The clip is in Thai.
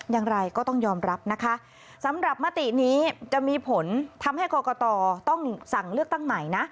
อย่างไรก็ต้องยอมรับนะคะสำหรับมตินี้จะมีผลทำให้กรกตต้องสั่งเลือกตั้งใหม่นะ